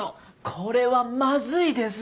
これはまずいですよ。